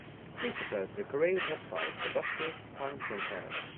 Please refer to the Korail website for bus routes, times, and fares.